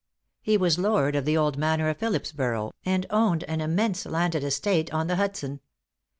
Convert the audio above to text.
He was lord of the old manor of Philipsborough, and owned an immense landed estate on the Hudson.